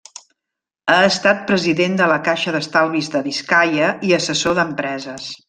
Ha estat president de la Caixa d'Estalvis de Biscaia i assessor d'empreses.